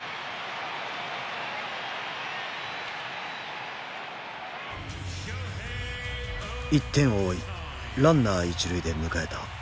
１点を追いランナー一塁で迎えた大谷の打席。